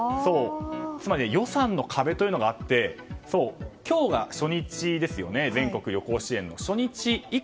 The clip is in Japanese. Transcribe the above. つまり予算の壁というのがあって今日が全国旅行支援の初日ですよね。